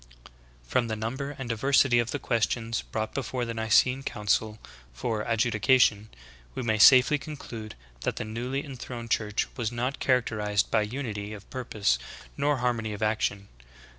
From the number and diversity of the questions brought before the Nicene Council for ad judication, we may safely conclude that the newly enthroned Church was not characterized by unity of purpose nor har mony of action.